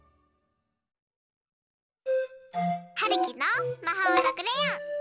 はるきのまほうのクレヨン！